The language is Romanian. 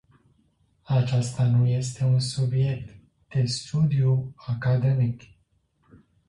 Acesta nu este un subiect de studiu academic.